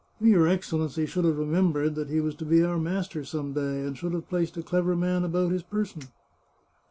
" Your Excellency should have remembered that he was to be our master some day, and should have placed a clever man about his person."